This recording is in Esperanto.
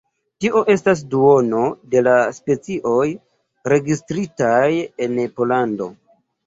Tio estas duono de la specioj registritaj en Pollando.